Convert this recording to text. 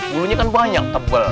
bulunya kan banyak tebal